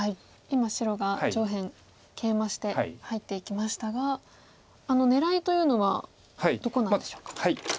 今白が上辺ケイマして入っていきましたが狙いというのはどこなんでしょうか？